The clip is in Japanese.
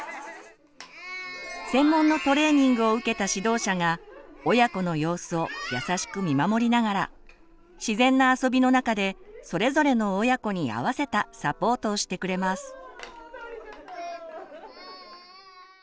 専門のトレーニングを受けた指導者が親子の様子を優しく見守りながら自然な遊びの中でそれぞれの親子に合わせたサポートをしてくれます。